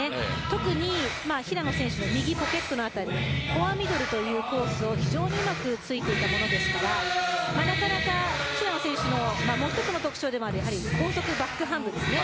特に平野選手の右ポケット辺りフォアミドルというコースを非常にうまく突いていたのでなかなか平野選手の１つの特徴でもある高速バックハンドですね。